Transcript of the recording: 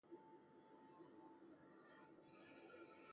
Turnout for the runoff was considered low.